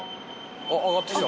あっ上がってきた。